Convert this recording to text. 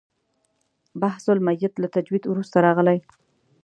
بحث المیت له تجوید وروسته راغلی.